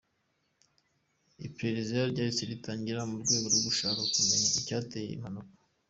Iperereza ryahise ritangira mu rwego rwo gushaka kumenya icyateye iyi mpanuka.